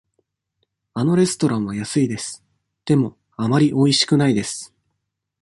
あのレストランは安いです。でも、あまりおいしくないです。